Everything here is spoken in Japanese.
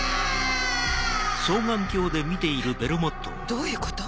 どういうこと？